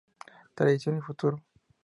Tradición y Futuro".